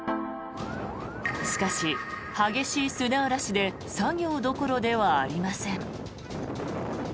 しかし、激しい砂嵐で作業どころではありません。